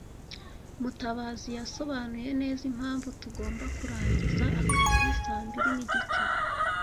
Mutabazi yasobanuye neza impamvu tugomba kurangiza akazi saa mbiri nigice.